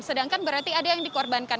sedangkan berarti ada yang dikorbankan